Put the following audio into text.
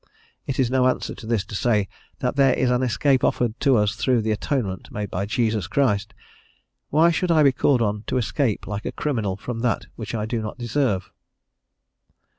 It is no answer to this to say that there is an escape offered to us through the Atonement made by Jesus Christ. Why should I be called on to escape like a criminal from that which I do not deserve?